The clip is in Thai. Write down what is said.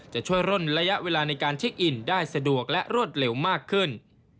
จะช่วยร่นระยะเวลาในการเช็คอินได้สะดวกและรวดเร็วมากขึ้น